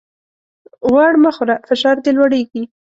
غوړ مه خوره ! فشار دي لوړېږي.